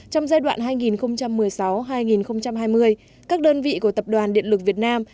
trong giai đoạn hai nghìn một mươi sáu hai nghìn hai mươi các đơn vị của tập đoàn điện lực việt nam